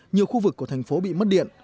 nhiều khu vực của thành phố bị mất điện